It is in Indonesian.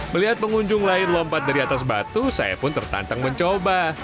melihat pengunjung lain lompat dari atas batu saya pun tertantang mencoba